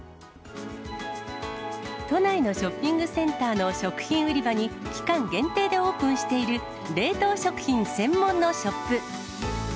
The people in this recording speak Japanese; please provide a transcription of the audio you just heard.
都内のショッピングセンターの食品売り場に、期間限定でオープンしている冷凍食品専門のショップ。